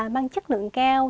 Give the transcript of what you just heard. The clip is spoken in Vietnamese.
mang chất lượng cao